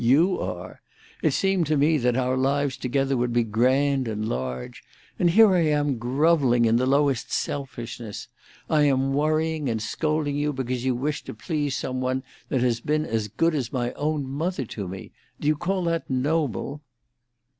You are. It seemed to me that our lives together would be grand and large; and here I am, grovelling in the lowest selfishness! I am worrying and scolding you because you wish to please some one that has been as good as my own mother to me. Do you call that noble?"